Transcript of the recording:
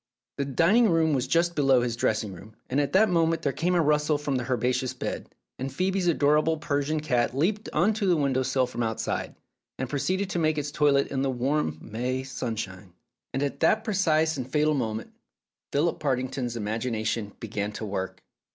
The dining room was just below his dressing room, and at that moment there came a rustle from the herbaceous bed, and Phoebe's adorable Persian cat leaped on to the window sill from outside, and proceeded to make its toilet in the warm May sun shine. And at that precise and fatal moment Philip Partington's imagination began to work.